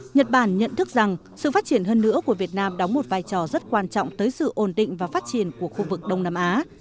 nhật bản nhận thức rằng sự phát triển hơn nữa của việt nam đóng một vai trò rất quan trọng tới sự ổn định và phát triển của khu vực đông nam á